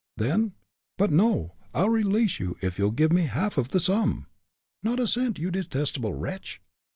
"Then but no! I'll release you if you'll give me half of the sum." "Not a cent, you detestable wretch."